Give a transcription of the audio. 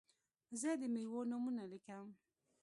زه د میوو نومونه لیکم.